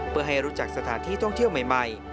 เพื่อให้รู้จักสถานที่ท่องเที่ยวใหม่